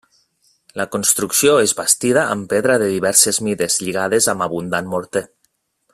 La construcció és bastida amb pedra de diverses mides lligades amb abundant morter.